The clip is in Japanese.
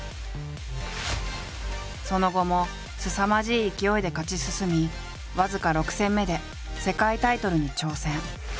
その後もすさまじい勢いで勝ち進み僅か６戦目で世界タイトルに挑戦。